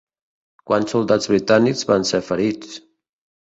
Quants soldats britànics van ser ferits?